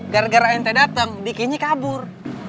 gara gara ente dateng dikinya kabur